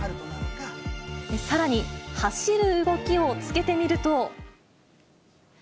さらに、走る動きをつけてみると。